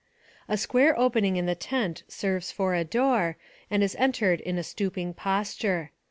A square opening in the tent serves for a door, and is entered in a stooping posture.